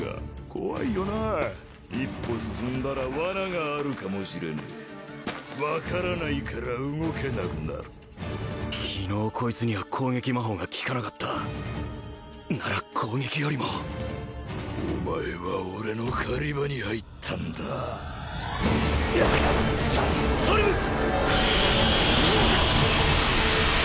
怖いよなあ一歩進んだらワナがあるかもしれねえ分からないから動けなくなる昨日こいつには攻撃魔法が効かなかったなら攻撃よりもお前は俺の狩り場に入ったんだソルム！